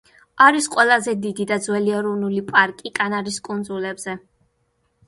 არის ყველაზე დიდი და ძველი ეროვნული პარკი კანარის კუნძულებზე.